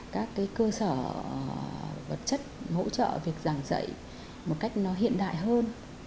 các cơ sở vật chất hỗ trợ việc giảng dạy một cách nó hiện đại hơn